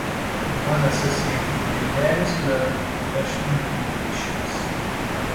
He was associated with various learned professional organizations.